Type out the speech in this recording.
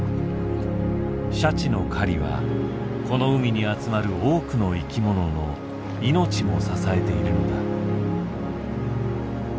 シャチの狩りはこの海に集まる多くの生きものの命も支えているのだ。